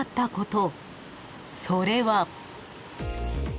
［それは］